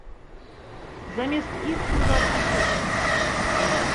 Замест іх прыватны сектар.